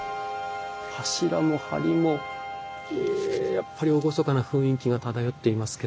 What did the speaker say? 柱もはりもやっぱり厳かな雰囲気が漂っていますけれども。